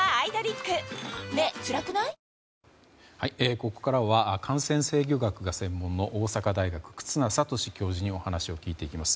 ここからは感染制御学が専門の大阪大学、忽那賢志教授にお話を聞いていきます。